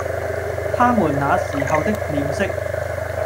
他們那時候的臉色，